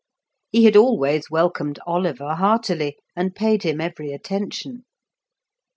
He had always welcomed Oliver heartily, and paid him every attention.